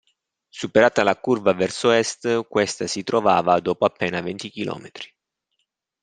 Superata la curva verso Est, questa si trovava dopo appena venti chilometri.